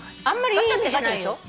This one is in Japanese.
あんまりいい意味じゃないよ。